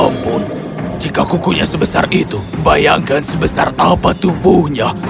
ampun jika kukunya sebesar itu bayangkan sebesar apa tubuhnya